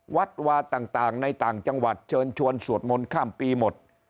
วัดวาต่างในต่างจังหวัดเชิญชวนสวดมนต์ข้ามปีหมด